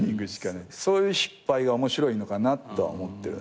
そういう失敗が面白いのかなとは思ってる。